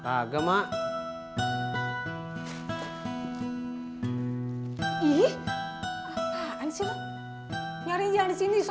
kan sama anjir miripnyaisini sunny luar